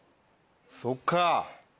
そっか。